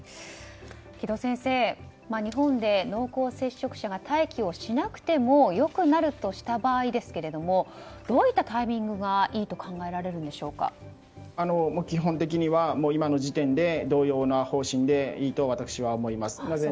城戸先生、日本で濃厚接触者が待機をしなくても良くなるとした場合ですけどもどういったタイミングがいいと基本的には今の時点で同様の方針でいいと私は思います。